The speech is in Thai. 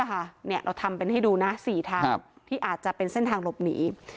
เราทำเป็นให้ดูนะ๔ทางที่อาจจะเป็นเส้นทางหลบหนี